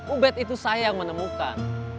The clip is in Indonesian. ubed itu saya yang menemukan